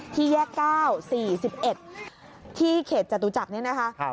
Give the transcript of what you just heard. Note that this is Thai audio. ที่แยก๙๔๑ที่เขตจตุจักรนี้นะคะ